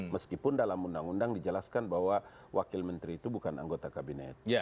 meskipun dalam undang undang dijelaskan bahwa wakil menteri itu bukan anggota kabinet